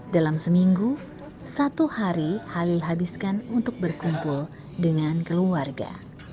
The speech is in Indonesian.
dalam seminggu satu hari halil habiskan untuk berkumpul dengan keluarga